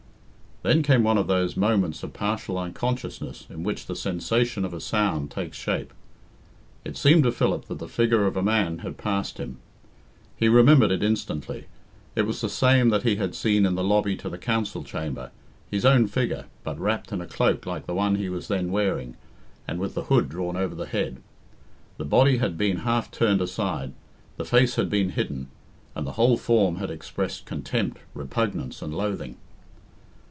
Then came one of those moments of partial unconsciousness in which the sensation of a sound takes shape. It seemed to Philip that the figure of a man had passed him. He remembered it instantly. It was the same that he had seen in the lobby to the Council Chamber, his own figure, but wrapped in a cloak like the one he was then wearing, and with the hood drawn over the head. The body had been half turned aside, the face had been hidden, and the whole form had expressed contempt, repugnance, and loathing.